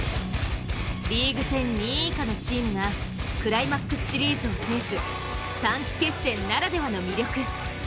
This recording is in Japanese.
リーグ戦２位以下のチームがクライマックスシリーズを制す短期決戦ならではの魅力。